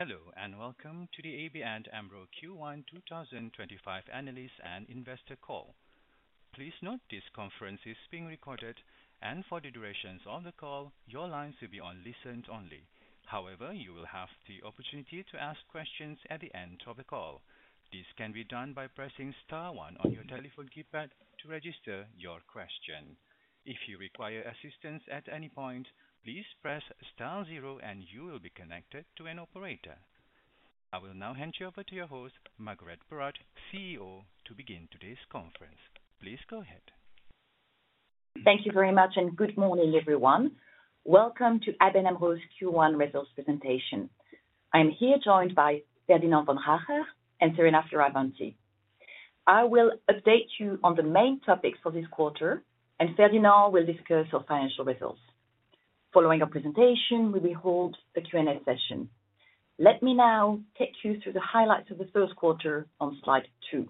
Hello and welcome to the ABN AMRO Q1 2025 Analyst and Investor Call. Please note this conference is being recorded, and for the duration of the call, your lines will be on listen only. However, you will have the opportunity to ask questions at the end of the call. This can be done by pressing star one on your telephone keypad to register your question. If you require assistance at any point, please press star zero and you will be connected to an operator. I will now hand you over to your host, Marguerite Bérard, CEO, to begin today's conference. Please go ahead. Thank you very much and good morning everyone. Welcome to ABN AMRO's Q1 results presentation. I am here joined by Ferdinand Vaandrager and Serena Fioravanti. I will update you on the main topics for this quarter, and Ferdinand will discuss our financial results. Following our presentation, we will hold a Q&A session. Let me now take you through the highlights of the first quarter on slide two.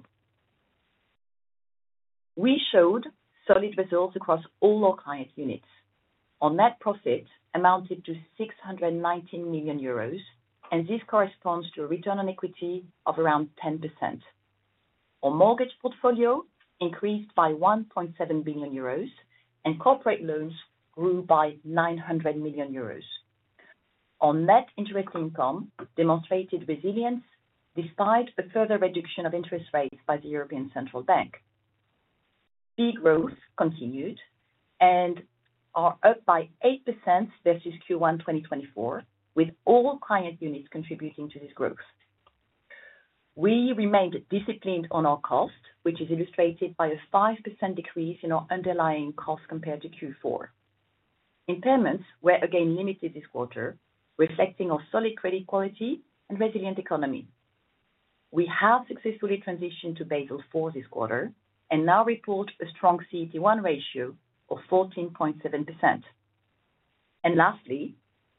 We showed solid results across all our client units. Our net profit amounted to 619 million euros, and this corresponds to a return on equity of around 10%. Our mortgage portfolio increased by 1.7 billion euros, and corporate loans grew by 900 million euros. Our net interest income demonstrated resilience despite a further reduction of interest rates by the European Central Bank. Fee growth continued and are up by 8% versus Q1 2024, with all client units contributing to this growth. We remained disciplined on our cost, which is illustrated by a 5% decrease in our underlying cost compared to Q4. Impairments were again limited this quarter, reflecting our solid credit quality and resilient economy. We have successfully transitioned to Basel IV this quarter and now report a strong CET1 ratio of 14.7%. Lastly,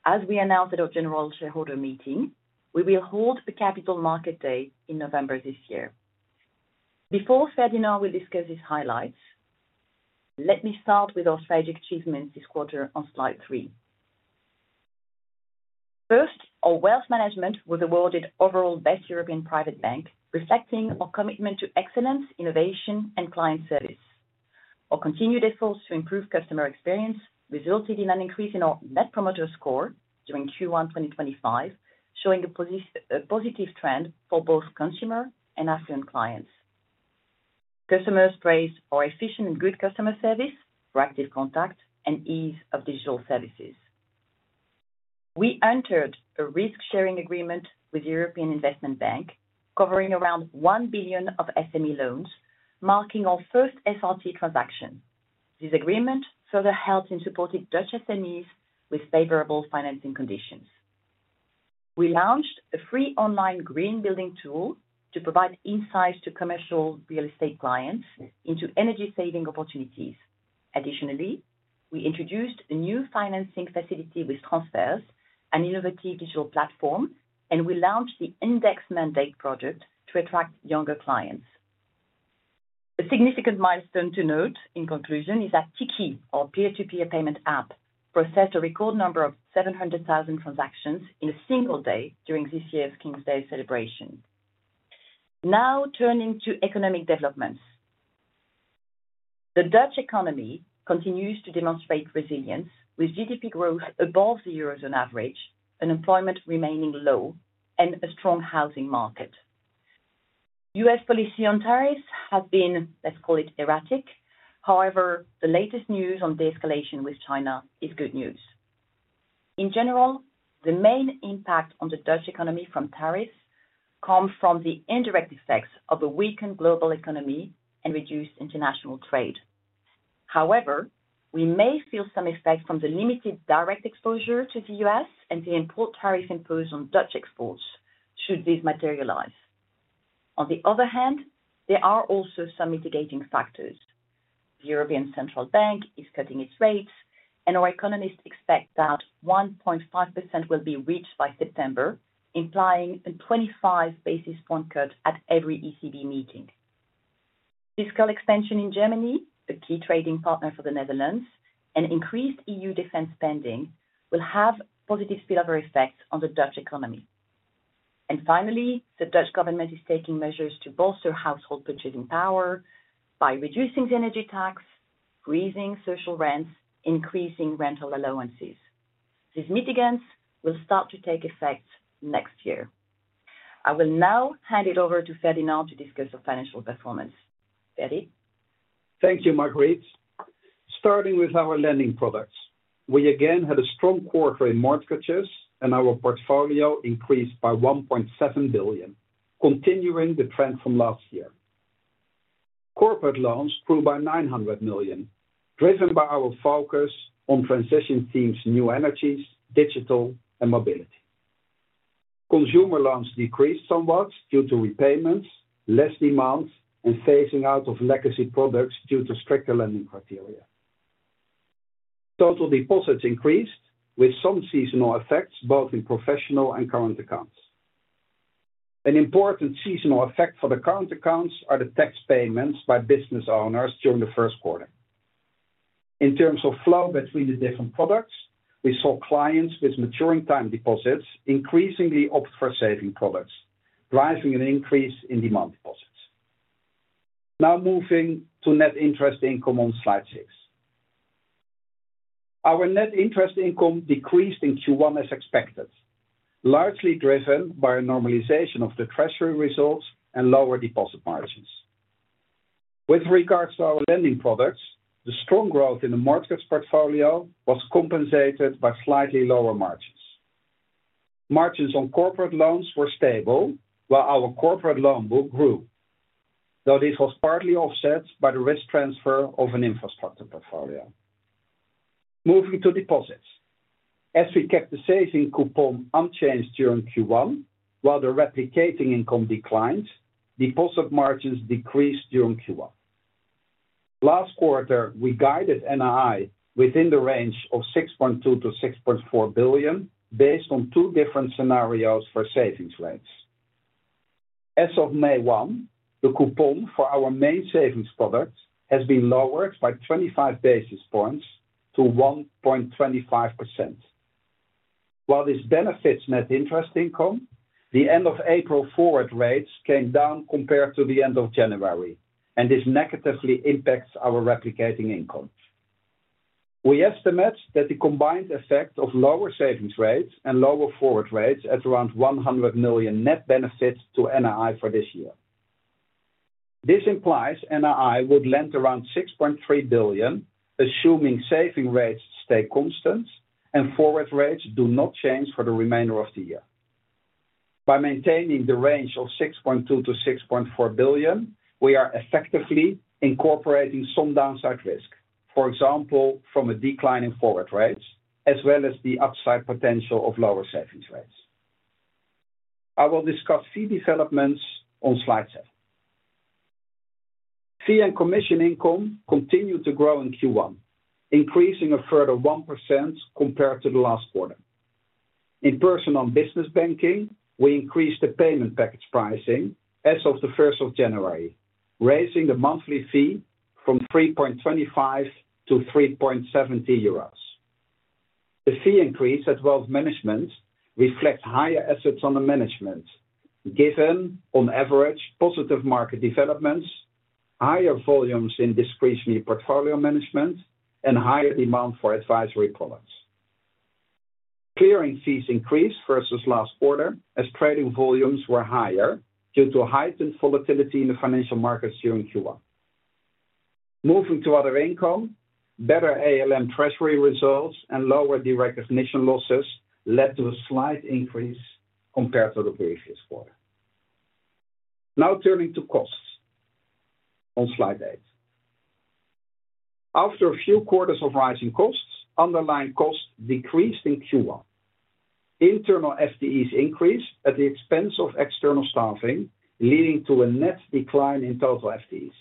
as we announced at our general shareholder meeting, we will hold a capital market day in November this year. Before Ferdinand will discuss his highlights, let me start with our strategic achievements this quarter on slide three. First, our wealth management was awarded Overall Best European Private Bank, reflecting our commitment to excellence, innovation, and client service. Our continued efforts to improve customer experience resulted in an increase in our net promoter score during Q1 2025, showing a positive trend for both consumer and affluent clients. Customers praised our efficient and good customer service, proactive contact, and ease of digital services. We entered a risk-sharing agreement with the European Investment Bank, covering around 1 billion of SME loans, marking our first SRT transaction. This agreement further helped in supporting Dutch SMEs with favorable financing conditions. We launched a free online Green Building Tool to provide insights to commercial real estate clients into energy-saving opportunities. Additionally, we introduced a new financing facility with transfers, an innovative digital platform, and we launched the index mandate project to attract younger clients. A significant milestone to note in conclusion is that Tikkie, our peer-to-peer payment app, processed a record number of 700,000 transactions in a single day during this year's King's Day celebration. Now turning to economic developments, the Dutch economy continues to demonstrate resilience with GDP growth above the eurozone average, unemployment remaining low, and a strong housing market. U.S. policy on tariffs has been, let's call it, erratic. However, the latest news on de-escalation with China is good news. In general, the main impact on the Dutch economy from tariffs comes from the indirect effects of a weakened global economy and reduced international trade. However, we may feel some effect from the limited direct exposure to the U.S. and the import tariffs imposed on Dutch exports should this materialize. On the other hand, there are also some mitigating factors. The European Central Bank is cutting its rates, and our economists expect that 1.5% will be reached by September, implying a 25 basis point cut at every ECB meeting. Fiscal expansion in Germany, a key trading partner for the Netherlands, and increased EU defense spending will have positive spillover effects on the Dutch economy. Finally, the Dutch government is taking measures to bolster household purchasing power by reducing the energy tax, raising social rents, and increasing rental allowances. These mitigants will start to take effect next year. I will now hand it over to Ferdinand to discuss our financial performance. Ferdie? Thank you, Marguerite. Starting with our lending products, we again had a strong quarter in mortgages, and our portfolio increased by 1.7 billion, continuing the trend from last year. Corporate loans grew by 900 million, driven by our focus on transition themes, new energies, digital, and mobility. Consumer loans decreased somewhat due to repayments, less demand, and phasing out of legacy products due to stricter lending criteria. Total deposits increased with some seasonal effects both in professional and current accounts. An important seasonal effect for the current accounts are the tax payments by business owners during the first quarter. In terms of flow between the different products, we saw clients with maturing time deposits increasingly opt for saving products, driving an increase in demand deposits. Now moving to net interest income on slide six. Our net interest income decreased in Q1 as expected, largely driven by a normalization of the treasury results and lower deposit margins. With regards to our lending products, the strong growth in the mortgage portfolio was compensated by slightly lower margins. Margins on corporate loans were stable, while our corporate loan book grew, though this was partly offset by the risk transfer of an infrastructure portfolio. Moving to deposits, as we kept the saving coupon unchanged during Q1, while the replicating income declined, deposit margins decreased during Q1. Last quarter, we guided NII within the range of 6.2 billion-6.4 billion based on two different scenarios for savings rates. As of May 1, the coupon for our main savings product has been lowered by 25 basis points to 1.25%. While this benefits net interest income, the end-of-April forward rates came down compared to the end of January, and this negatively impacts our replicating income. We estimate that the combined effect of lower savings rates and lower forward rates at around 100 million net benefits to NII for this year. This implies NII would lend around 6.3 billion, assuming saving rates stay constant and forward rates do not change for the remainder of the year. By maintaining the range of 6.2 billion-6.4 billion, we are effectively incorporating some downside risk, for example, from a decline in forward rates, as well as the upside potential of lower savings rates. I will discuss fee developments on slide seven. Fee and commission income continued to grow in Q1, increasing a further 1% compared to the last quarter. In personal and business banking, we increased the payment package pricing as of the 1st of January, raising the monthly fee from 3.25-3.70 euros. The fee increase at wealth management reflects higher assets under management, given, on average, positive market developments, higher volumes in discretionary portfolio management, and higher demand for advisory products. Clearing fees increased versus last quarter as trading volumes were higher due to heightened volatility in the financial markets during Q1. Moving to other income, better ALM treasury results and lower deregulation losses led to a slight increase compared to the previous quarter. Now turning to costs on slide eight. After a few quarters of rising costs, underlying costs decreased in Q1. Internal FTEs increased at the expense of external staffing, leading to a net decline in total FTEs.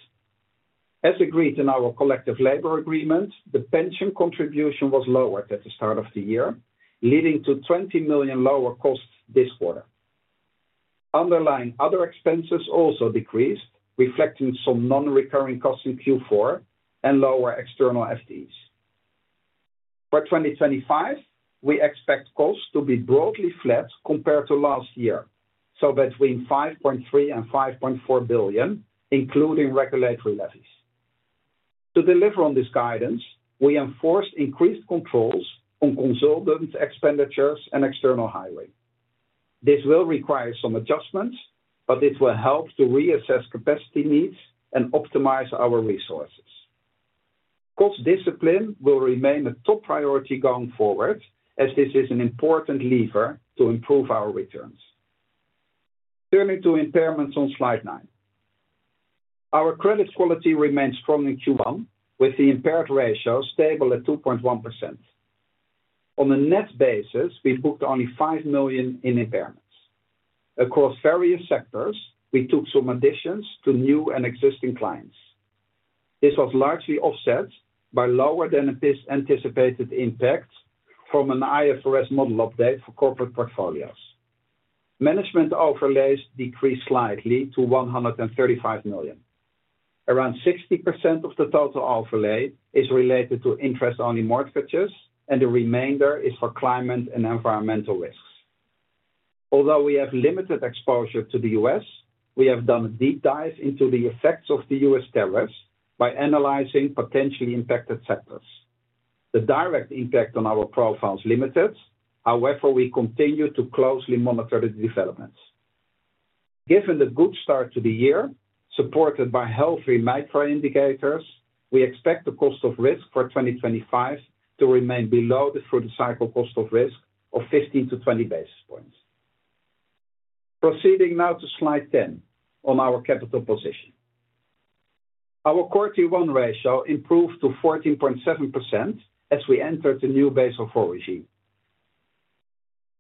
As agreed in our collective labor agreement, the pension contribution was lowered at the start of the year, leading to 20 million lower costs this quarter. Underlying other expenses also decreased, reflecting some non-recurring costs in Q4 and lower external FTEs. For 2025, we expect costs to be broadly flat compared to last year, so between 5.3 billion-5.4 billion, including regulatory levies. To deliver on this guidance, we enforced increased controls on consultant expenditures and external hiring. This will require some adjustments, but this will help to reassess capacity needs and optimize our resources. Cost discipline will remain a top priority going forward, as this is an important lever to improve our returns. Turning to impairments on slide nine. Our credit quality remained strong in Q1, with the impaired ratio stable at 2.1%. On a net basis, we booked only 5 million in impairments. Across various sectors, we took some additions to new and existing clients. This was largely offset by lower than anticipated impact from an IFRS model update for corporate portfolios. Management overlays decreased slightly to 135 million. Around 60% of the total overlay is related to interest-only mortgages, and the remainder is for climate and environmental risks. Although we have limited exposure to the U.S., we have done a deep dive into the effects of the U.S. tariffs by analyzing potentially impacted sectors. The direct impact on our profile is limited. However, we continue to closely monitor the developments. Given the good start to the year, supported by healthy macro indicators, we expect the cost of risk for 2025 to remain below the through-the-cycle cost of risk of 15-20 basis points. Proceeding now to slide 10 on our capital position. Our quarter-to-year ratio improved to 14.7% as we entered the new Basel IV regime.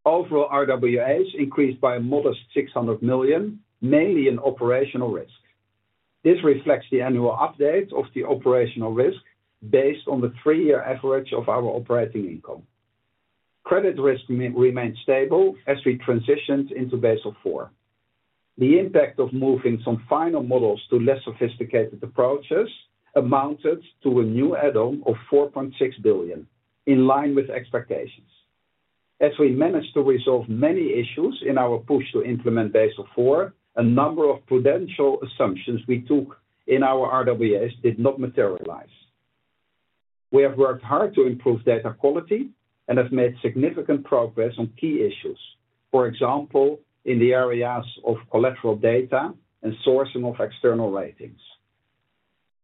Overall, RWAs increased by a modest 600 million, mainly in operational risk. This reflects the annual update of the operational risk based on the three-year average of our operating income. Credit risk remained stable as we transitioned into Basel IV. The impact of moving some final models to less sophisticated approaches amounted to a new add-on of 4.6 billion, in line with expectations. As we managed to resolve many issues in our push to implement Basel IV, a number of prudential assumptions we took in our RWAs did not materialize. We have worked hard to improve data quality and have made significant progress on key issues, for example, in the areas of collateral data and sourcing of external ratings.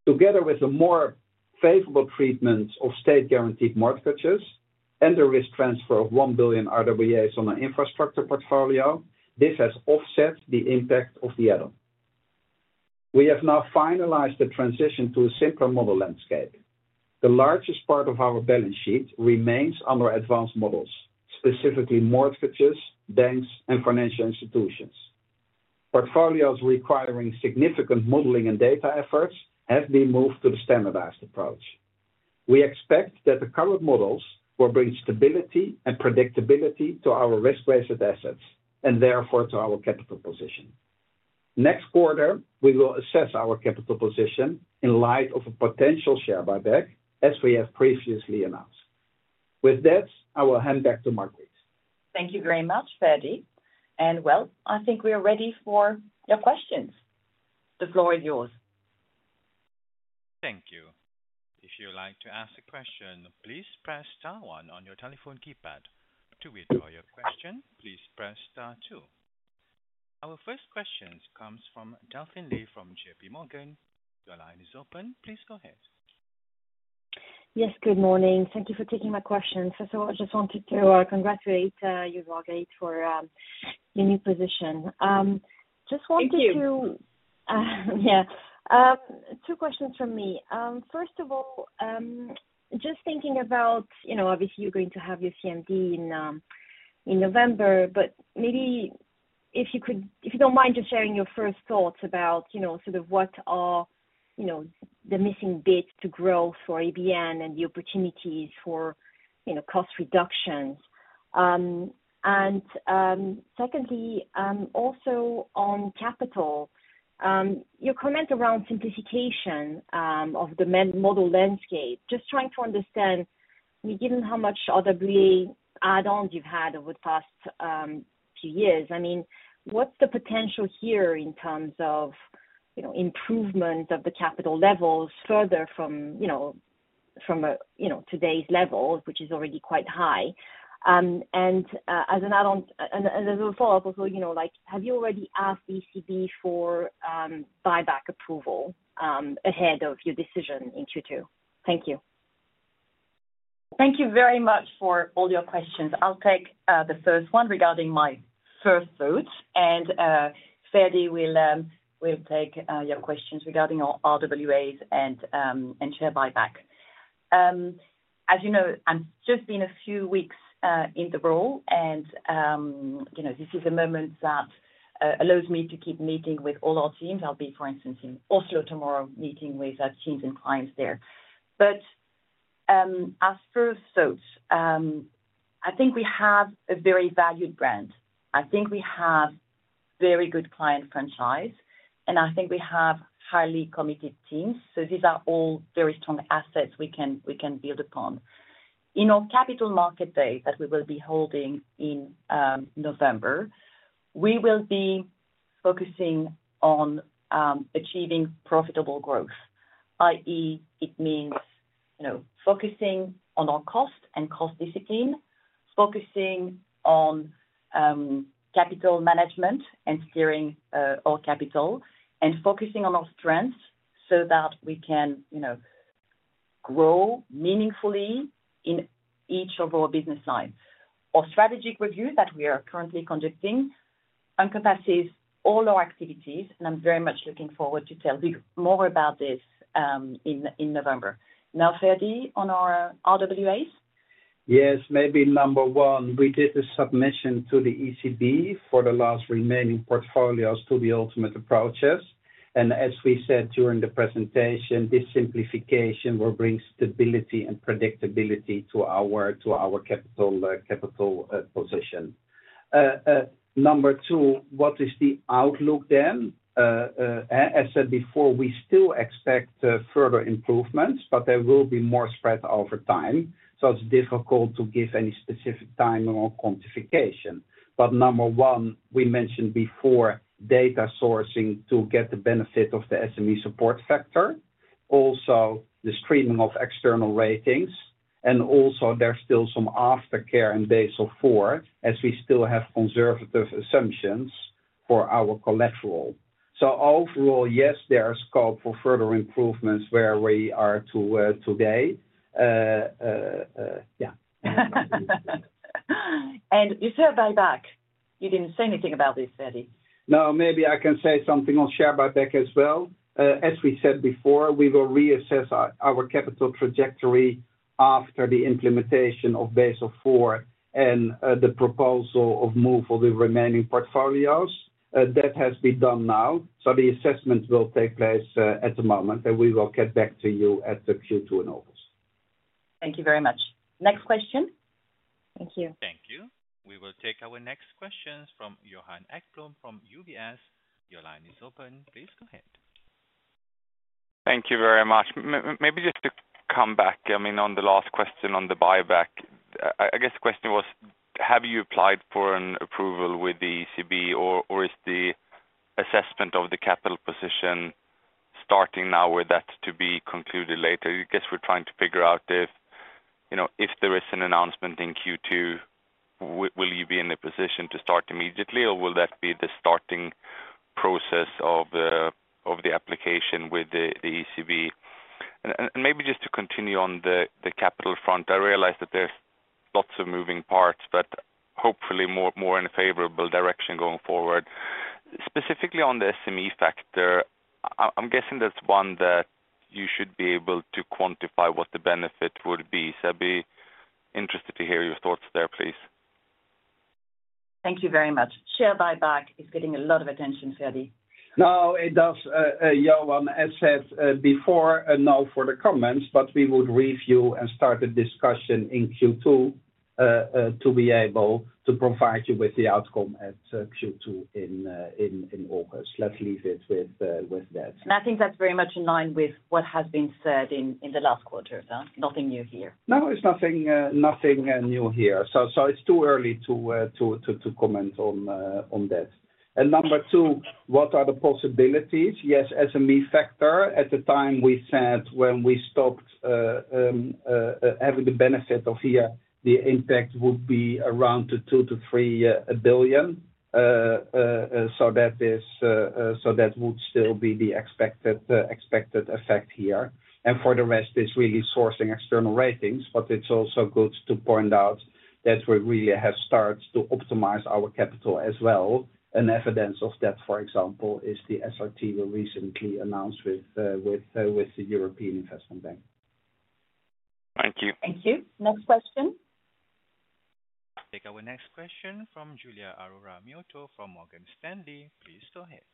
Together with a more favorable treatment of state-guaranteed mortgages and the risk transfer of 1 billion RWAs on our infrastructure portfolio, this has offset the impact of the add-on. We have now finalized the transition to a simpler model landscape. The largest part of our balance sheet remains under advanced models, specifically mortgages, banks, and financial institutions. Portfolios requiring significant modeling and data efforts have been moved to the standardized approach. We expect that the current models will bring stability and predictability to our risk-weighted assets and therefore to our capital position. Next quarter, we will assess our capital position in light of a potential share buyback, as we have previously announced. With that, I will hand back to Margaret. Thank you very much, Ferdie. I think we are ready for your questions. The floor is yours. Thank you. If you'd like to ask a question, please press star one on your telephone keypad. To withdraw your question, please press star two. Our first question comes from Delphine Lee from JPMorgan. The line is open. Please go ahead. Yes, good morning. Thank you for taking my question. First of all, I just wanted to congratulate you, Margaret, for your new position. Just wanted to. Thank you. Yeah. Two questions from me. First of all, just thinking about, obviously, you're going to have your CMD in November, but maybe if you do not mind just sharing your first thoughts about sort of what are the missing bits to grow for ABN and the opportunities for cost reductions. Secondly, also on capital, your comment around simplification of the model landscape, just trying to understand, given how much RWA add-ons you have had over the past few years, I mean, what is the potential here in terms of improvement of the capital levels further from today's levels, which is already quite high? As a follow-up, also, have you already asked ECB for buyback approval ahead of your decision in Q2? Thank you. Thank you very much for all your questions. I'll take the first one regarding my first thoughts, and Ferdie will take your questions regarding RWAs and share buyback. As you know, I've just been a few weeks in the role, and this is a moment that allows me to keep meeting with all our teams. I'll be, for instance, in Oslo tomorrow, meeting with teams and clients there. Our first thoughts, I think we have a very valued brand. I think we have a very good client franchise, and I think we have highly committed teams. These are all very strong assets we can build upon. In our capital market day that we will be holding in November, we will be focusing on achieving profitable growth, i.e., it means focusing on our cost and cost discipline, focusing on capital management and steering our capital, and focusing on our strengths so that we can grow meaningfully in each of our business lines. Our strategic review that we are currently conducting encompasses all our activities, and I'm very much looking forward to tell you more about this in November. Now, Ferdie, on our RWAs? Yes, maybe number one, we did the submission to the ECB for the last remaining portfolios to the ultimate approaches. As we said during the presentation, this simplification will bring stability and predictability to our capital position. Number two, what is the outlook then? As I said before, we still expect further improvements, but there will be more spread over time. It is difficult to give any specific timing or quantification. Number one, we mentioned before data sourcing to get the benefit of the SME support factor, also the streaming of external ratings, and also there is still some aftercare in Basel IV as we still have conservative assumptions for our collateral. Overall, yes, there is scope for further improvements where we are today. Yeah. You said buyback. You did not say anything about this, Ferdie. No, maybe I can say something on share buyback as well. As we said before, we will reassess our capital trajectory after the implementation of Basel IV and the proposal of move for the remaining portfolios. That has been done now. So the assessment will take place at the moment, and we will get back to you at Q2 in August. Thank you very much. Next question. Thank you. Thank you. We will take our next questions from Johan Ekblom from UBS. Your line is open. Please go ahead. Thank you very much. Maybe just to come back, I mean, on the last question on the buyback, I guess the question was, have you applied for an approval with the ECB, or is the assessment of the capital position starting now with that to be concluded later? I guess we're trying to figure out if there is an announcement in Q2, will you be in a position to start immediately, or will that be the starting process of the application with the ECB? Maybe just to continue on the capital front, I realize that there's lots of moving parts, but hopefully more in a favorable direction going forward. Specifically on the SME factor, I'm guessing that's one that you should be able to quantify what the benefit would be. So I'd be interested to hear your thoughts there, please. Thank you very much. Share buyback is getting a lot of attention, Ferdie. No, it does. Johan, as said before, no for the comments, but we would review and start a discussion in Q2 to be able to provide you with the outcome at Q2 in August. Let's leave it with that. I think that's very much in line with what has been said in the last quarter. Nothing new here. No, it's nothing new here. It's too early to comment on that. Number two, what are the possibilities? Yes, SME factor. At the time we said when we stopped having the benefit of here, the impact would be around 2 billion-3 billion. That would still be the expected effect here. For the rest, it's really sourcing external ratings, but it's also good to point out that we really have started to optimize our capital as well. Evidence of that, for example, is the SRT we recently announced with the European Investment Bank. Thank you. Thank you. Next question. We'll take our next question from Giulia Aurora Miotto from Morgan Stanley. Please go ahead.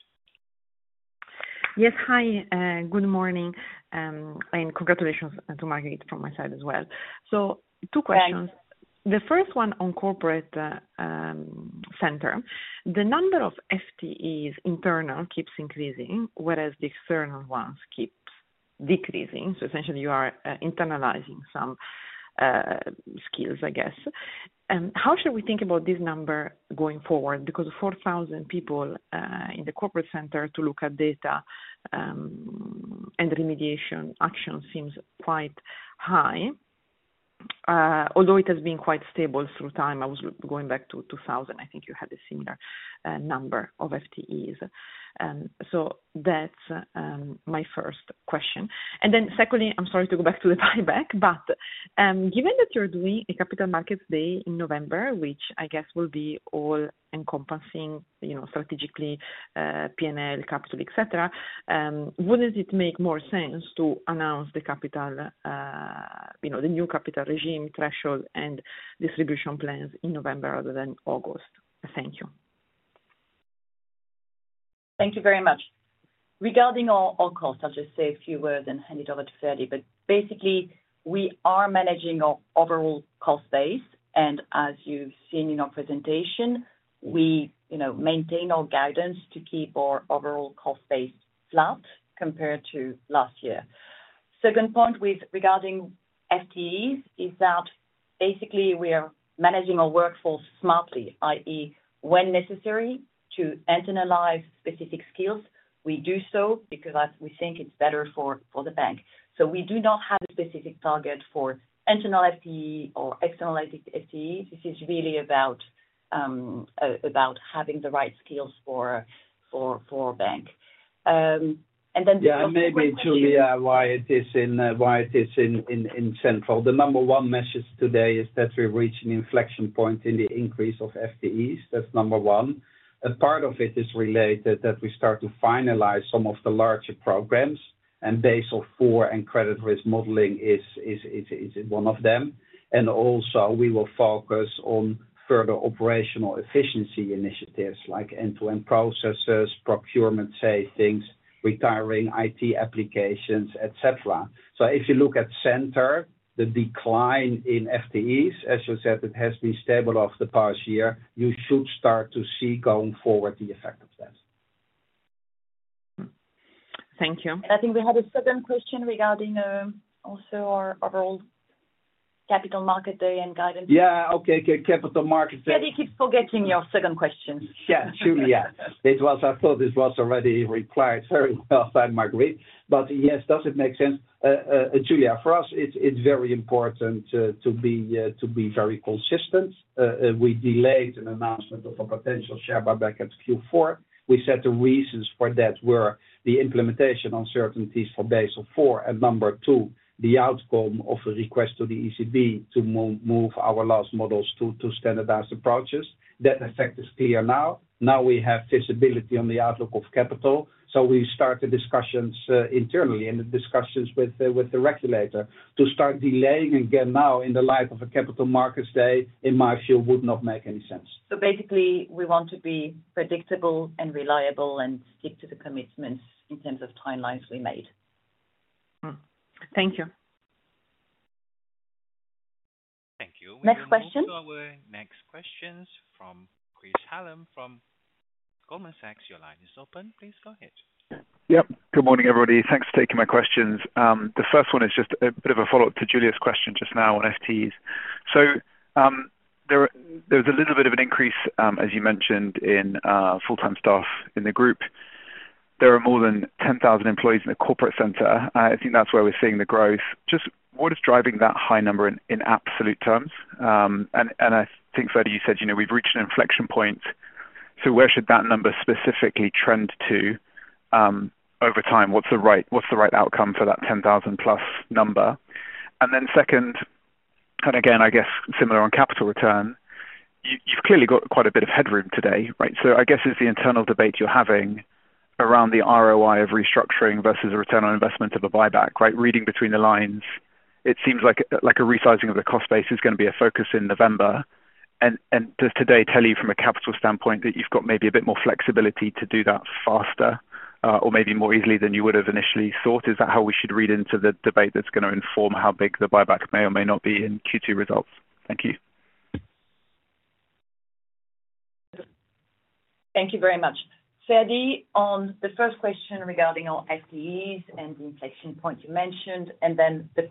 Yes, hi. Good morning. Congratulations to Marguerite from my side as well. Two questions. The first one on corporate center, the number of FTEs internal keeps increasing, whereas the external ones keep decreasing. Essentially, you are internalizing some skills, I guess. How should we think about this number going forward? Because 4,000 people in the corporate center to look at data and remediation action seems quite high, although it has been quite stable through time. I was going back to 2000. I think you had a similar number of FTEs. That is my first question. I'm sorry to go back to the buyback, but given that you're doing a capital markets day in November, which I guess will be all encompassing strategically P&L, capital, etc., wouldn't it make more sense to announce the new capital regime threshold and distribution plans in November rather than August? Thank you. Thank you very much. Regarding our costs, I'll just say a few words and hand it over to Ferdie. Basically, we are managing our overall cost base. As you've seen in our presentation, we maintain our guidance to keep our overall cost base flat compared to last year. The second point regarding FTEs is that basically we are managing our workforce smartly, i.e., when necessary to internalize specific skills, we do so because we think it's better for the bank. We do not have a specific target for internal FTE or external FTE. This is really about having the right skills for our bank. And then. Yeah, maybe Julia, why it is in central. The number one message today is that we're reaching inflection points in the increase of FTEs. That's number one. A part of it is related that we start to finalize some of the larger programs, and Basel IV and credit risk modeling is one of them. Also, we will focus on further operational efficiency initiatives like end-to-end processes, procurement savings, retiring IT applications, etc. If you look at center, the decline in FTEs, as you said, it has been stable over the past year. You should start to see going forward the effect of that. Thank you. I think we had a second question regarding also our overall Capital Market Day and guidance. Yeah, okay. Capital Market Day. Ferdie, keep forgetting your second question. Yeah, Julia. I thought this was already replied very well by Marguerite. But yes, does it make sense? Julia, for us, it's very important to be very consistent. We delayed an announcement of a potential share buyback at Q4. We set the reasons for that were the implementation uncertainties for Basel IV. And number two, the outcome of a request to the ECB to move our last models to standardized approaches. That effect is clear now. Now we have visibility on the outlook of capital. So we started discussions internally and the discussions with the regulator. To start delaying again now in the light of a capital markets day, in my view, would not make any sense. Basically, we want to be predictable and reliable and stick to the commitments in terms of timelines we made. Thank you. Thank you. Next question? We have two other next questions from Chris Hallam from Goldman Sachs. Your line is open. Please go ahead. Yep. Good morning, everybody. Thanks for taking my questions. The first one is just a bit of a follow-up to Julia's question just now on FTEs. There was a little bit of an increase, as you mentioned, in full-time staff in the group. There are more than 10,000 employees in the corporate center. I think that's where we're seeing the growth. Just what is driving that high number in absolute terms? I think, Ferdie, you said we've reached an inflection point. Where should that number specifically trend to over time? What's the right outcome for that 10,000+ number? Second, and again, I guess similar on capital return, you've clearly got quite a bit of headroom today, right? I guess it's the internal debate you're having around the ROI of restructuring versus a return on investment of a buyback, right? Reading between the lines, it seems like a resizing of the cost base is going to be a focus in November. Does today tell you from a capital standpoint that you've got maybe a bit more flexibility to do that faster or maybe more easily than you would have initially thought? Is that how we should read into the debate that's going to inform how big the buyback may or may not be in Q2 results? Thank you. Thank you very much. Ferdie, on the first question regarding our FTEs and the inflection point you mentioned, and then the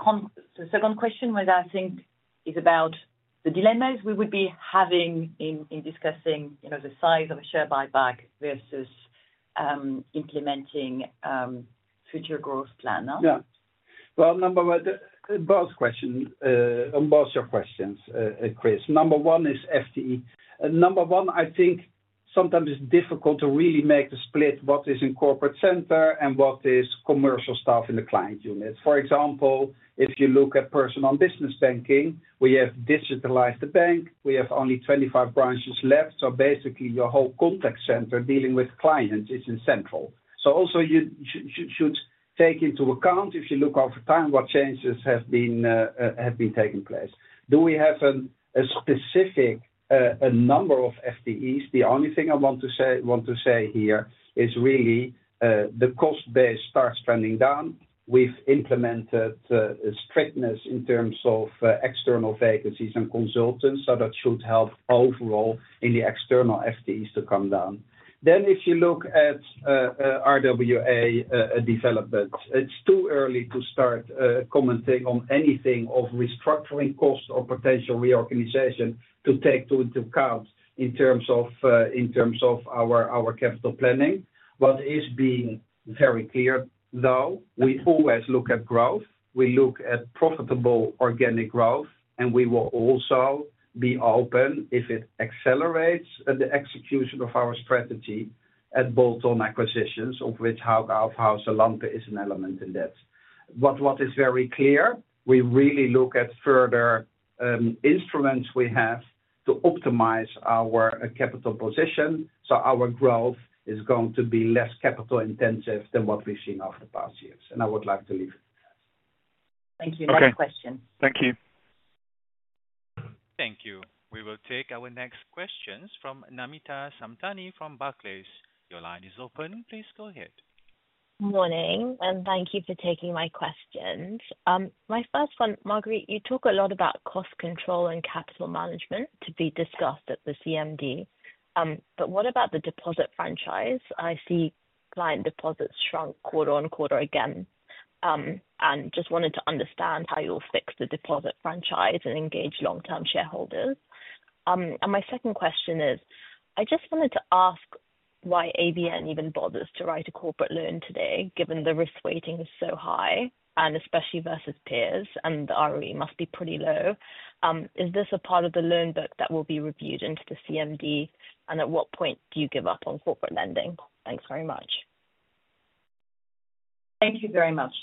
second question I think is about the dilemmas we would be having in discussing the size of a share buyback versus implementing future growth plan, no? Yeah. Both questions, on both your questions, Chris. Number one is FTE. Number one, I think sometimes it's difficult to really make the split what is in corporate center and what is commercial staff in the client unit. For example, if you look at personal business banking, we have digitalized the bank. We have only 25 branches left. Basically, your whole contact center dealing with clients is in central. Also you should take into account if you look over time what changes have been taking place. Do we have a specific number of FTEs? The only thing I want to say here is really the cost base starts trending down. We've implemented strictness in terms of external vacancies and consultants, so that should help overall in the external FTEs to come down. If you look at RWA development, it's too early to start commenting on anything of restructuring cost or potential reorganization to take into account in terms of our capital planning. What is being very clear, though, we always look at growth. We look at profitable organic growth, and we will also be open if it accelerates the execution of our strategy at bolt-on acquisitions, of which [Hauck Aufhäuser Lampe] is an element in that. What is very clear, we really look at further instruments we have to optimize our capital position. Our growth is going to be less capital-intensive than what we've seen over the past years. I would like to leave it at that. Thank you. No questions. Okay. Thank you. Thank you. We will take our next questions from Namita Samtani from Barclays. Your line is open. Please go ahead. Good morning, and thank you for taking my questions. My first one, Marguerite, you talk a lot about cost control and capital management to be discussed at the CMD. What about the deposit franchise? I see client deposits shrunk, quote-unquote, or again. I just wanted to understand how you'll fix the deposit franchise and engage long-term shareholders. My second question is, I just wanted to ask why ABN even bothers to write a corporate loan today, given the risk weighting is so high, and especially versus peers, and the ROE must be pretty low. Is this a part of the loan book that will be reviewed into the CMD, and at what point do you give up on corporate lending? Thanks very much. Thank you very much.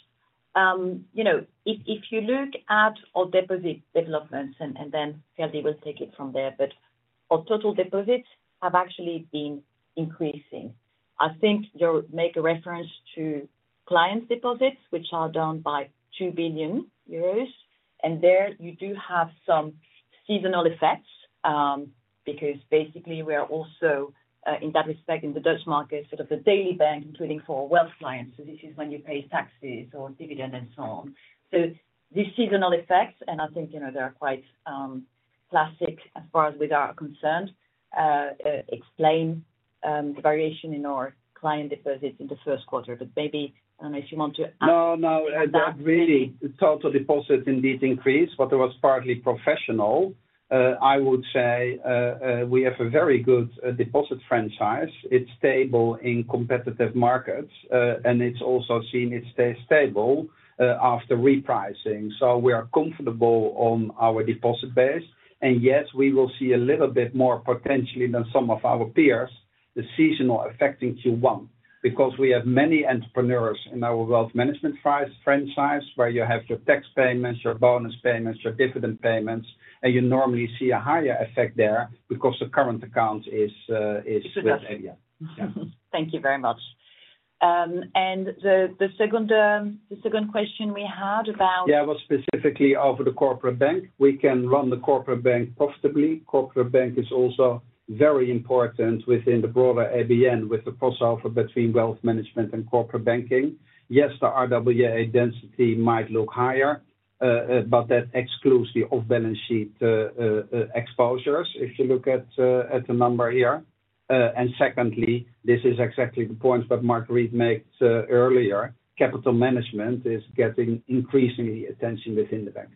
If you look at our deposit developments, and then Ferdie will take it from there, but our total deposits have actually been increasing. I think you'll make a reference to client deposits, which are down by 2 billion euros. There you do have some seasonal effects because basically we are also in that respect in the Dutch market, sort of the daily bank, including for wealth clients. This is when you pay taxes or dividend and so on. These seasonal effects, and I think they're quite classic as far as we are concerned, explain the variation in our client deposits in the first quarter. But maybe if you want to. No, no. Really, total deposits indeed increase, but it was partly professional. I would say we have a very good deposit franchise. It is stable in competitive markets, and it is also seen it stays stable after repricing. We are comfortable on our deposit base. Yes, we will see a little bit more potentially than some of our peers, the seasonal affecting Q1, because we have many entrepreneurs in our wealth management franchise where you have your tax payments, your bonus payments, your dividend payments, and you normally see a higher effect there because the current account is better. Thank you very much. The second question we had about. Yeah, it was specifically over the corporate bank. We can run the corporate bank profitably. Corporate bank is also very important within the broader ABN with the crossover between wealth management and corporate banking. Yes, the RWA density might look higher, but that excludes the off-balance sheet exposures if you look at the number here. Secondly, this is exactly the point that Marguerite made earlier. Capital management is getting increasingly attention within the bank.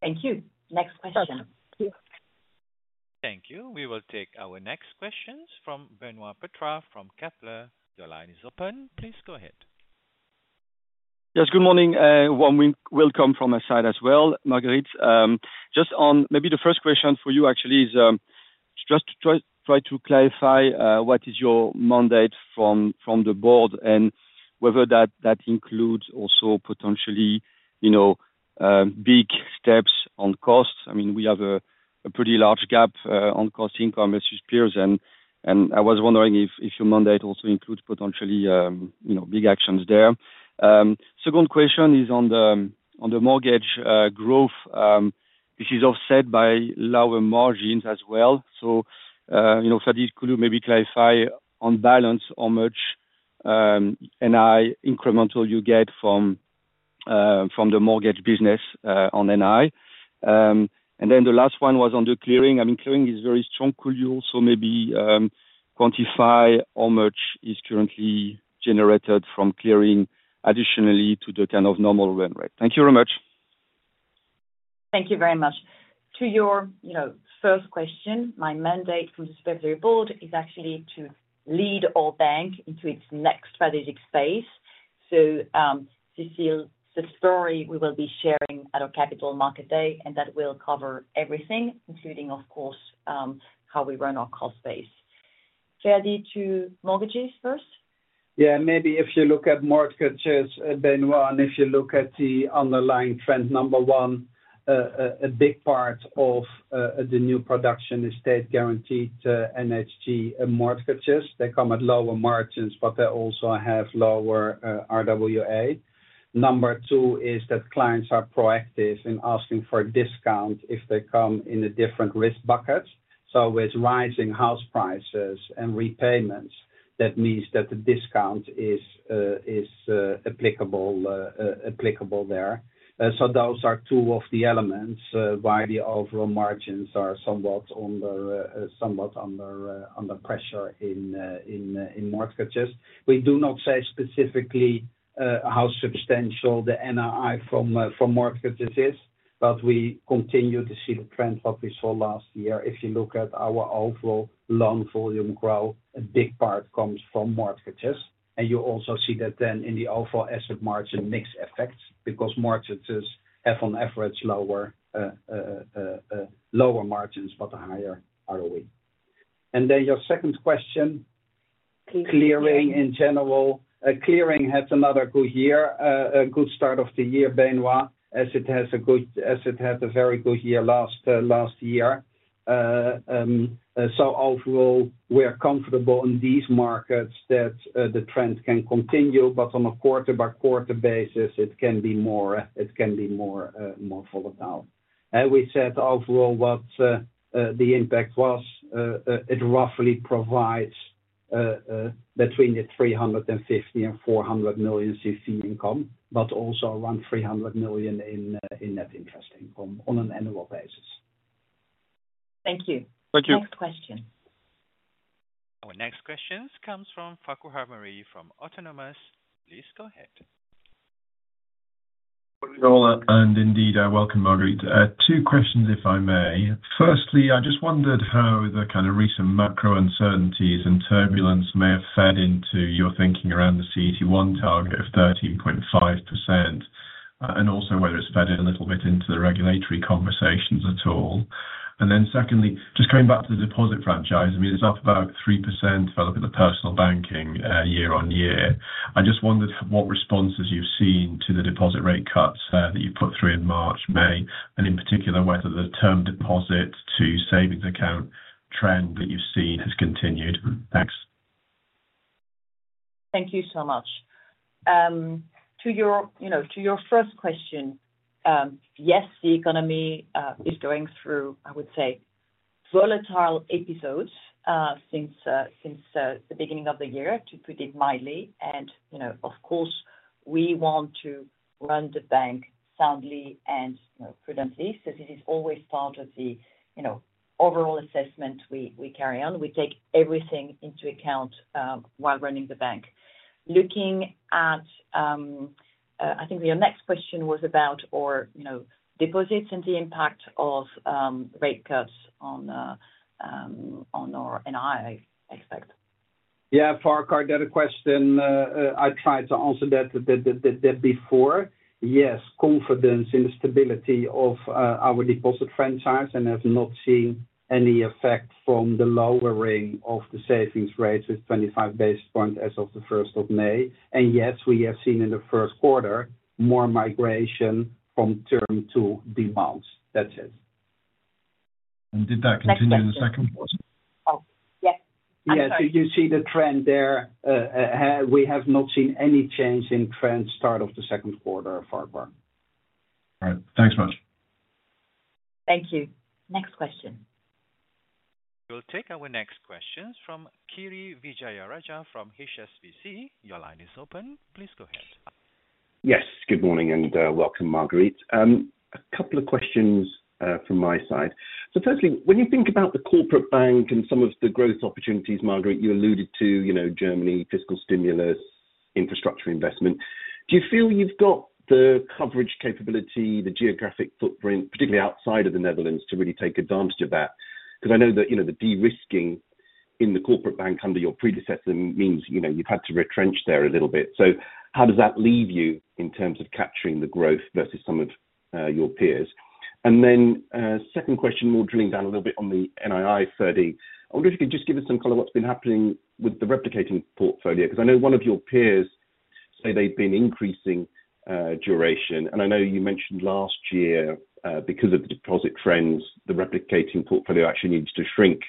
Thank you. Next question. Thank you. We will take our next questions from Benoît Pétrarque from Kepler. Your line is open. Please go ahead. Yes, good morning. One welcome from my side as well, Marguerite. Just on maybe the first question for you actually is just to try to clarify what is your mandate from the board and whether that includes also potentially big steps on costs. I mean, we have a pretty large gap on cost income versus peers. I was wondering if your mandate also includes potentially big actions there. Second question is on the mortgage growth. This is offset by lower margins as well. So Ferdie, could you maybe clarify on balance how much NII incremental you get from the mortgage business on NI? And then the last one was on the clearing. I mean, clearing is very strong. Could you also maybe quantify how much is currently generated from clearing additionally to the kind of normal run rate? Thank you very much. Thank you very much. To your first question, my mandate from the Supervisory Board is actually to lead our bank into its next strategic space. This is the story we will be sharing at our Capital Market Day, and that will cover everything, including, of course, how we run our cost base. Ferdie, to mortgages first. Yeah, maybe if you look at mortgages, Benoit, and if you look at the underlying trend, number one, a big part of the new production is state-guaranteed NHG mortgages. They come at lower margins, but they also have lower RWA. Number two is that clients are proactive in asking for a discount if they come in a different risk bucket. With rising house prices and repayments, that means that the discount is applicable there. Those are two of the elements why the overall margins are somewhat under pressure in mortgages. We do not say specifically how substantial the NII from mortgages is, but we continue to see the trend what we saw last year. If you look at our overall loan volume growth, a big part comes from mortgages. You also see that in the overall asset margin mix effects because mortgages have on average lower margins, but higher ROE. Your second question, clearing in general. Clearing has another good year, a good start of the year, Benoît, as it had a very good year last year. Overall, we're comfortable in these markets that the trend can continue, but on a quarter-by-quarter basis, it can be more volatile. We said overall what the impact was, it roughly provides between 350 million and 400 million CC income, but also around 300 million in net interest income on an annual basis. Thank you. Thank you. Next question. Our next question comes from Farquhar Murray from Autonomous. Please go ahead. Good morning, all. And indeed, welcome, Marguerite. Two questions, if I may. Firstly, I just wondered how the kind of recent macro uncertainties and turbulence may have fed into your thinking around the CET1 target of 13.5%, and also whether it's fed in a little bit into the regulatory conversations at all. And then secondly, just coming back to the deposit franchise, I mean, it's up about 3% if I look at the personal banking year on year. I just wondered what responses you've seen to the deposit rate cuts that you've put through in March, May, and in particular whether the term deposit to savings account trend that you've seen has continued. Thanks. Thank you so much. To your first question, yes, the economy is going through, I would say, volatile episodes since the beginning of the year, to put it mildly. Of course, we want to run the bank soundly and prudently since it is always part of the overall assessment we carry on. We take everything into account while running the bank. Looking at, I think your next question was about our deposits and the impact of rate cuts on our NII, I expect. Yeah, Farquhar, another question. I tried to answer that before. Yes, confidence in the stability of our deposit franchise and have not seen any effect from the lowering of the savings rates with 25 basis points as of the 1st of May. Yes, we have seen in the first quarter more migration from term to demand. That's it. Did that continue in the second quarter? Yes. Yes. You see the trend there. We have not seen any change in trend start of the second quarter, Farquhar. All right. Thanks much. Thank you. Next question. We will take our next questions from Kiri Vijayarajah from HSBC. Your line is open. Please go ahead. Yes, good morning and welcome, Marguerite. A couple of questions from my side. Firstly, when you think about the corporate bank and some of the growth opportunities, Marguerite, you alluded to Germany, fiscal stimulus, infrastructure investment. Do you feel you've got the coverage capability, the geographic footprint, particularly outside of the Netherlands, to really take advantage of that? I know that the de-risking in the corporate bank under your predecessor means you've had to retrench there a little bit. How does that leave you in terms of capturing the growth versus some of your peers? Second question, more drilling down a little bit on the NII, Ferdie. I wonder if you could just give us some color on what's been happening with the replicating portfolio? I know one of your peers said they've been increasing duration. I know you mentioned last year, because of the deposit trends, the replicating portfolio actually needs to shrink.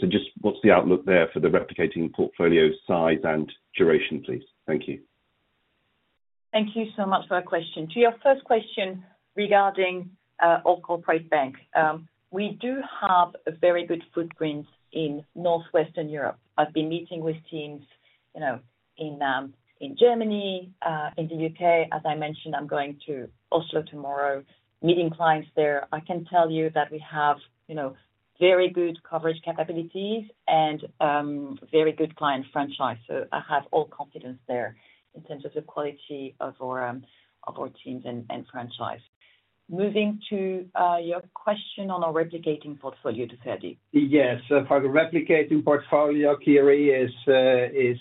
Just what's the outlook there for the replicating portfolio size and duration, please? Thank you. Thank you so much for that question. To your first question regarding [Corporate Bank], we do have a very good footprint in Northwestern Europe. I've been meeting with teams in Germany, in the U.K.. As I mentioned, I'm going to Oslo tomorrow, meeting clients there. I can tell you that we have very good coverage capabilities and very good client franchise. I have all confidence there in terms of the quality of our teams and franchise. Moving to your question on our replicating portfolio, Ferdie. Yes. For the replicating portfolio, Kiri, it is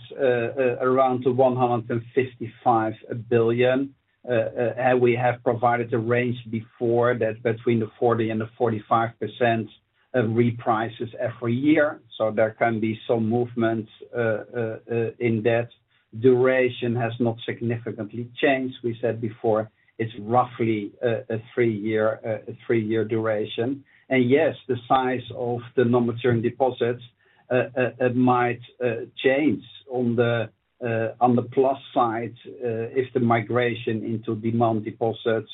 around 155 billion. We have provided a range before that between the 40% and 45% reprices every year. There can be some movement in that. Duration has not significantly changed. We said before it is roughly a three-year duration. The size of the non-maturing deposits might change on the plus side if the migration into demand deposits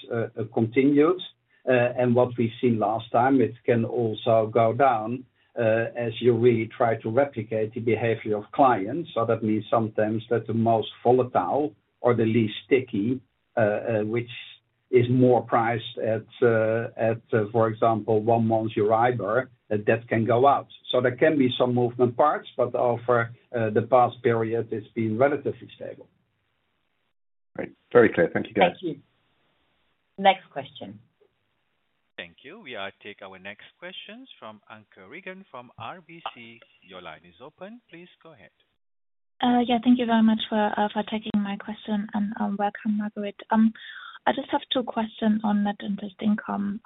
continues. What we have seen last time, it can also go down as you really try to replicate the behavior of clients. That means sometimes that the most volatile or the least sticky, which is more priced at, for example, one month, [Euribor], that can go out. There can be some moving parts, but over the past period, it has been relatively stable. Great. Very clear. Thank you guys. Thank you. Next question. Thank you. We take our next questions from Anke Reingen from RBC. Your line is open. Please go ahead. Yeah, thank you very much for taking my question and welcome, Margaret. I just have two questions on net interest income.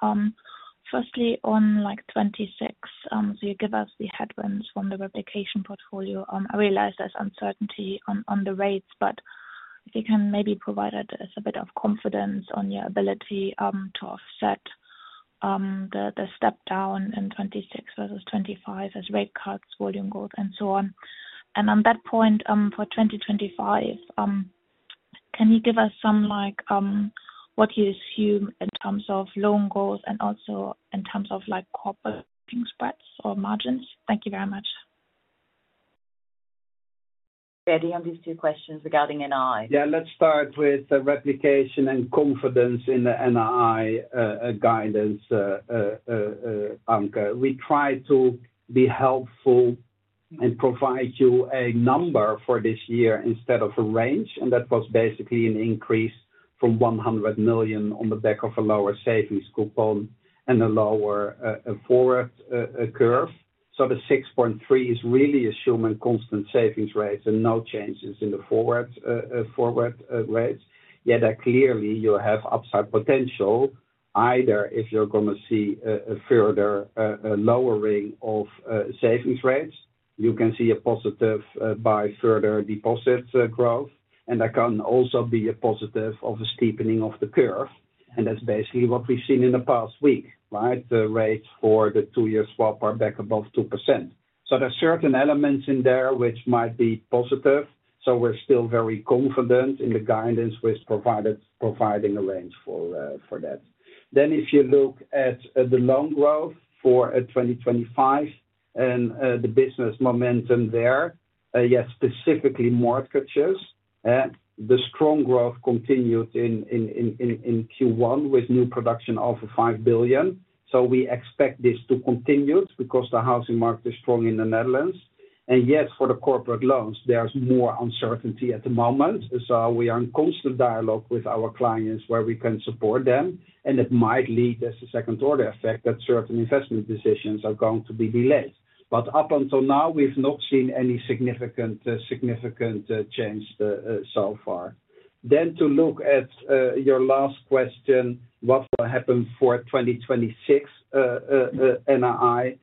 Firstly, on 2026, so you give us the headwinds from the replication portfolio. I realize there's uncertainty on the rates, but if you can maybe provide us a bit of confidence on your ability to offset the step down in 2026 versus 2025 as rate cuts, volume growth, and so on. On that point for 2025, can you give us some what you assume in terms of loan growth and also in terms of corporate banking spreads or margins? Thank you very much. Ferdie, on these two questions regarding NII. Yeah, let's start with the replication and confidence in the NII guidance, Anke. We try to be helpful and provide you a number for this year instead of a range. That was basically an increase from 100 million on the back of a lower savings coupon and a lower forward curve. The 6.3x is really assuming constant savings rates and no changes in the forward rates. Yet clearly, you have upside potential either if you're going to see a further lowering of savings rates. You can see a positive by further deposit growth. That can also be a positive of a steepening of the curve. That's basically what we've seen in the past week, right? The rates for the two-year swap are back above 2%. There are certain elements in there which might be positive. We're still very confident in the guidance with providing a range for that. If you look at the loan growth for 2025 and the business momentum there, yes, specifically mortgages, the strong growth continued in Q1 with new production of 5 billion. We expect this to continue because the housing market is strong in the Netherlands. Yes, for the corporate loans, there's more uncertainty at the moment. We are in constant dialogue with our clients where we can support them. It might lead as a second-order effect that certain investment decisions are going to be delayed. Up until now, we've not seen any significant change so far. To look at your last question, what will happen for 2026 NII?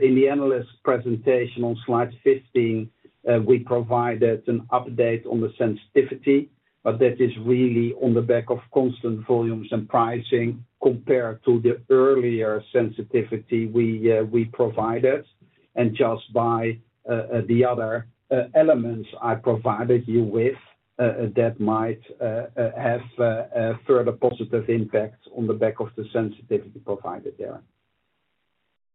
In the analyst presentation on slide 15, we provided an update on the sensitivity, but that is really on the back of constant volumes and pricing compared to the earlier sensitivity we provided. Just by the other elements I provided you with, that might have further positive impact on the back of the sensitivity provided there.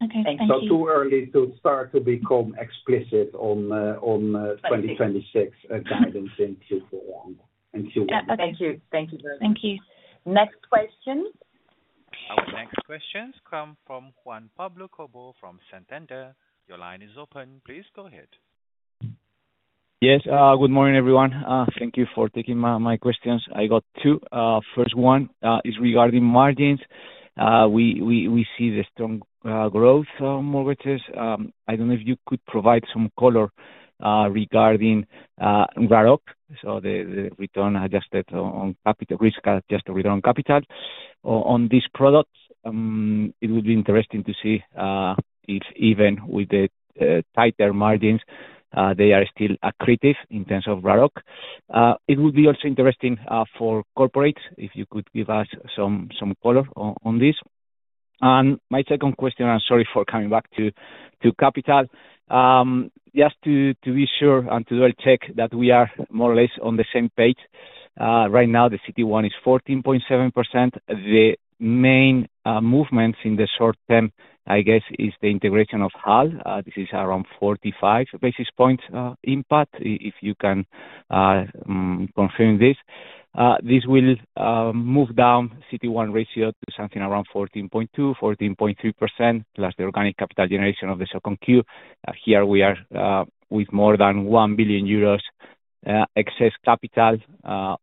Okay. Thank you. Too early to start to become explicit on 2026 guidance in Q4 and Q1. Yeah. Thank you. Thank you very much. Thank you. Next question. Our next questions come from Juan Pablo Cobo from Santander. Your line is open. Please go ahead. Yes. Good morning, everyone. Thank you for taking my questions. I got two. First one is regarding margins. We see the strong growth on mortgages. I do not know if you could provide some color regarding RAROC, so the return adjusted on capital, risk adjusted return on capital. On these products, it would be interesting to see if even with the tighter margins, they are still accretive in terms of RAROC. It would be also interesting for corporates if you could give us some color on this. My second question, and sorry for coming back to capital, just to be sure and to double-check that we are more or less on the same page. Right now, the CET1 is 14.7%. The main movements in the short term, I guess, is the integration of HAL. This is around 45 basis points impact, if you can confirm this. This will move down CET1 ratio to something around 14.2%, 14.3%, plus the organic capital generation of the second quarter. Here, we are with more than 1 billion euros excess capital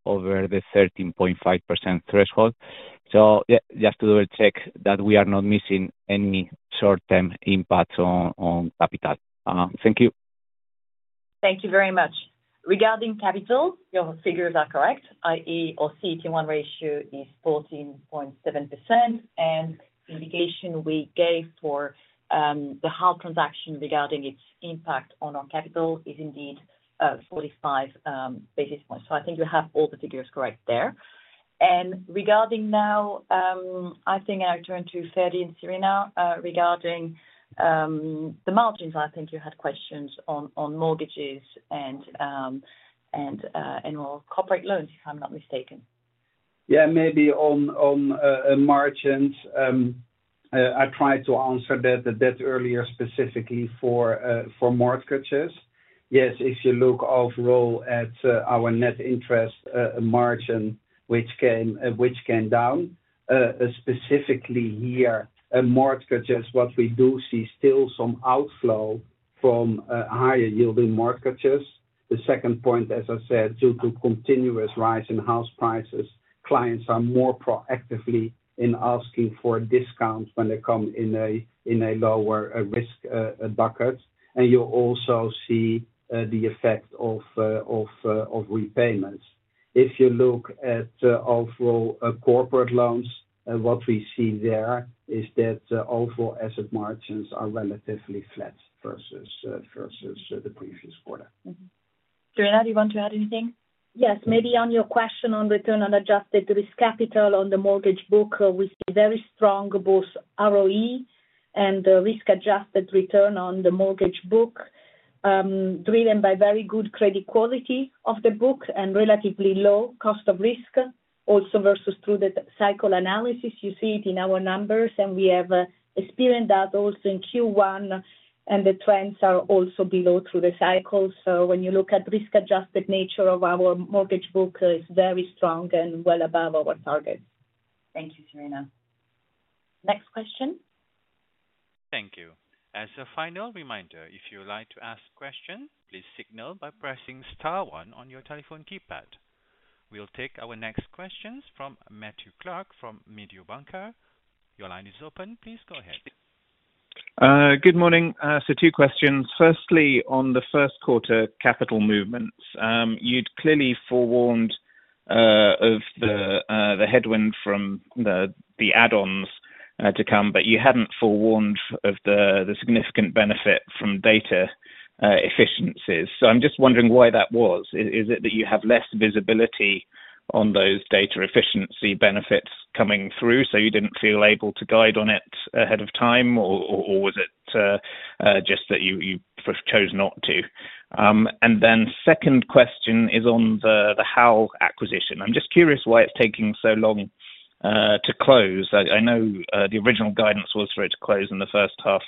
over the 13.5% threshold. Just to double-check that we are not missing any short-term impacts on capital. Thank you. Thank you very much. Regarding capital, your figures are correct, i.e., our CET1 ratio is 14.7%. The indication we gave for the HAL transaction regarding its impact on our capital is indeed 45 basis points. I think you have all the figures correct there. Now, I think I turn to Ferdie and Serena regarding the margins. I think you had questions on mortgages and annual corporate loans, if I'm not mistaken. Yeah, maybe on margins, I tried to answer that earlier specifically for mortgages. Yes, if you look overall at our net interest margin, which came down specifically here, mortgages, what we do see still some outflow from higher-yielding mortgages. The second point, as I said, due to continuous rise in house prices, clients are more proactively asking for discounts when they come in a lower-risk bucket. You also see the effect of repayments. If you look at overall corporate loans, what we see there is that overall asset margins are relatively flat versus the previous quarter. Serena, do you want to add anything? Yes. Maybe on your question on return on adjusted risk capital on the mortgage book, we see very strong both ROE and risk-adjusted return on the mortgage book, driven by very good credit quality of the book and relatively low cost of risk, also versus through the cycle analysis. You see it in our numbers, and we have experienced that also in Q1, and the trends are also below through the cycle. When you look at the risk-adjusted nature of our mortgage book, it's very strong and well above our target. Thank you, Serena. Next question. Thank you. As a final reminder, if you would like to ask a question, please signal by pressing star one on your telephone keypad. We'll take our next questions from Matthew Clark from Mediobanca. Your line is open. Please go ahead. Good morning. Two questions. Firstly, on the first quarter capital movements, you'd clearly forewarned of the headwind from the add-ons to come, but you hadn't forewarned of the significant benefit from data efficiencies. I'm just wondering why that was. Is it that you have less visibility on those data efficiency benefits coming through, so you didn't feel able to guide on it ahead of time, or was it just that you chose not to? Second question is on the HAL acquisition. I'm just curious why it's taking so long to close. I know the original guidance was for it to close in the first half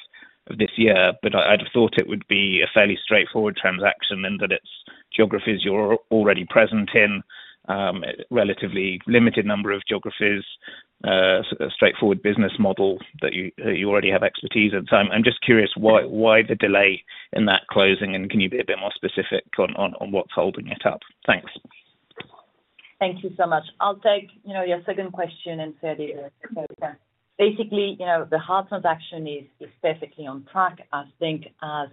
of this year, but I'd have thought it would be a fairly straightforward transaction in that its geographies you're already present in, a relatively limited number of geographies, a straightforward business model that you already have expertise in. I'm just curious why the delay in that closing, and can you be a bit more specific on what's holding it up? Thanks. Thank you so much. I'll take your second question and Ferdie as well. Basically, the HAL transaction is perfectly on track, I think. As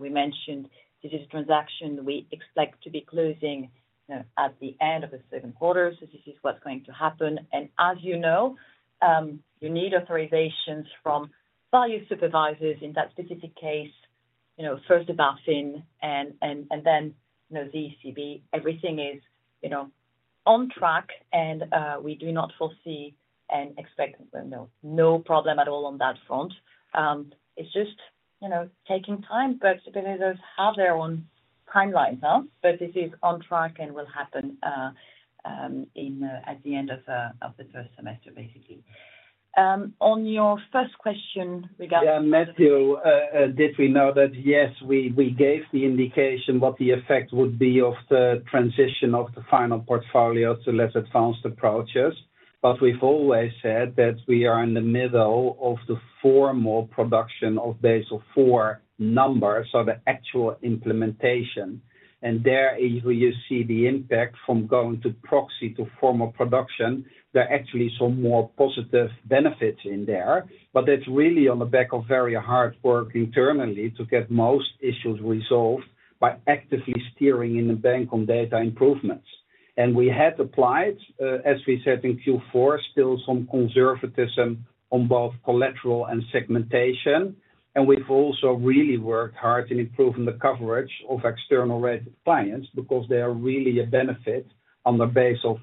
we mentioned, this is a transaction we expect to be closing at the end of the second quarter. This is what's going to happen. As you know, you need authorizations from value supervisors in that specific case, first the BaFin and then the ECB. Everything is on track, and we do not foresee and expect no problem at all on that front. It's just taking time, supervisors have their own timelines. This is on track and will happen at the end of the first semester, basically. On your first question regarding. Yeah, Matthew, did we know that? Yes, we gave the indication what the effect would be of the transition of the final portfolio to less advanced approaches. We have always said that we are in the middle of the formal production of Basel IV numbers, so the actual implementation. There you see the impact from going to proxy to formal production. There are actually some more positive benefits in there, but that is really on the back of very hard work internally to get most issues resolved by actively steering in the bank on data improvements. We had applied, as we said in Q4, still some conservatism on both collateral and segmentation. We have also really worked hard in improving the coverage of external rated clients because they are really a benefit on the Basel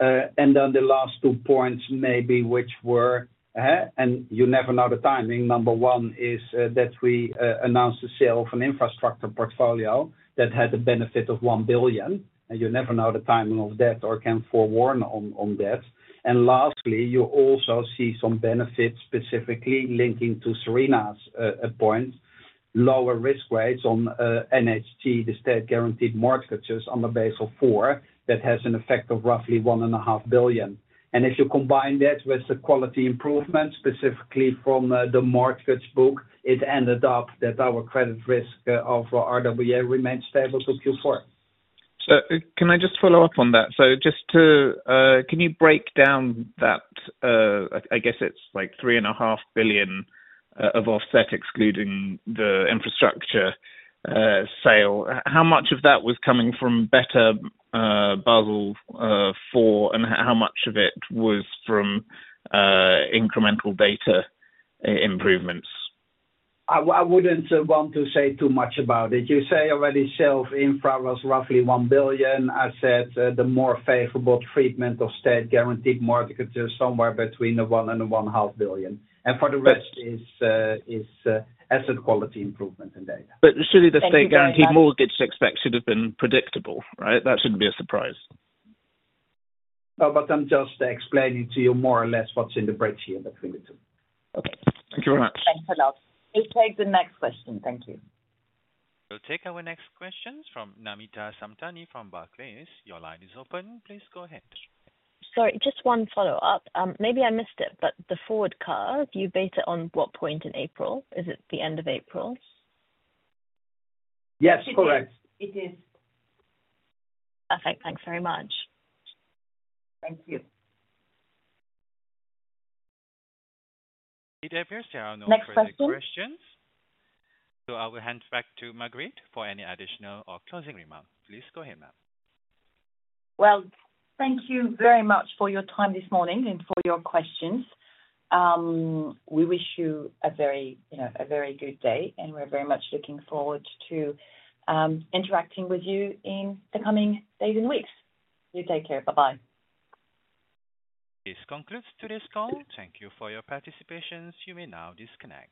IV SA. The last two points maybe which were, and you never know the timing, number one is that we announced the sale of an infrastructure portfolio that had the benefit of 1 billion. You never know the timing of that or can forewarn on that. Lastly, you also see some benefits specifically linking to Serena's point, lower risk rates on NHT, the state-guaranteed mortgages on the Basel IV that has an effect of roughly 1.5 billion. If you combine that with the quality improvements specifically from the mortgage book, it ended up that our credit risk of RWA remained stable to Q4. Can I just follow up on that? Just to, can you break down that? I guess it is like 3.5 billion of offset excluding the infrastructure sale. How much of that was coming from better Basel IV, and how much of it was from incremental data improvements? I wouldn't want to say too much about it. You say already sales infra was roughly 1 billion. I said the more favorable treatment of state-guaranteed mortgages is somewhere between the 1 billion and the EUR 1.5 billion. For the rest, it's asset quality improvement and data. Surely the state-guaranteed mortgage expect should have been predictable, right? That shouldn't be a surprise. No, but I'm just explaining to you more or less what's in the bridge here between the two. Okay. Thank you very much. Thanks a lot. We'll take the next question. Thank you. We'll take our next questions from Namita Samtani from Barclays. Your line is open. Please go ahead. Sorry, just one follow-up. Maybe I missed it, but the forward card, you base it on what point in April? Is it the end of April? Yes, correct. It is. Perfect. Thanks very much. Thank you. Did everyone share on all questions? Next question. I will hand back to Marguerite for any additional or closing remarks. Please go ahead, ma'am. Thank you very much for your time this morning and for your questions. We wish you a very good day, and we're very much looking forward to interacting with you in the coming days and weeks. You take care. Bye-bye. This concludes today's call. Thank you for your participation. You may now disconnect.